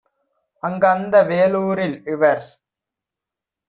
அங்கந்த வேலூரில் - இவர்